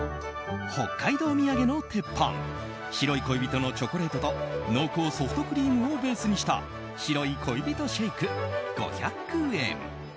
北海道土産の鉄板白い恋人のチョコレートと濃厚ソフトクリームをベースにした白い恋人シェイク、５００円。